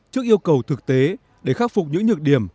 trước yêu cầu thực tế để khắc phục những nhược điểm